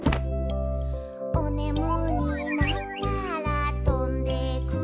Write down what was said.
「おねむになったらとんでくる」